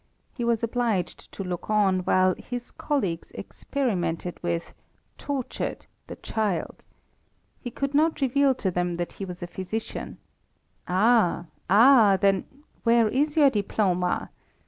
He was obliged to look on while his colleagues experimented with, tortured, the child. He could not reveal to them that he was a physician. Ah, ah! then where is your diploma?